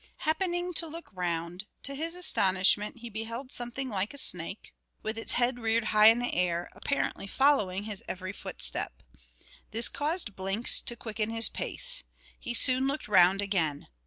Happening to look round, to his astonishment he beheld something like a snake, with its head reared high in the air, apparently following his every footstep. This caused Blinks to quicken his pace. He soon looked round again.